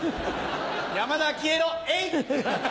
山田消えろえい！